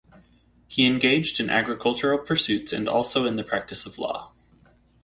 He engaged in agricultural pursuits and also in the practice of law.